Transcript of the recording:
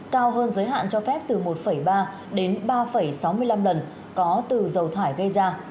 cao hơn giới hạn cho phép từ một ba đến ba sáu mươi năm lần có từ dầu thải gây ra